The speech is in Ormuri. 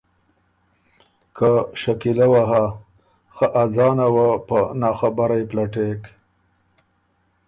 که شکیلۀ وه هۀ خه ا ځانه وه په ناخبرئ پلټېک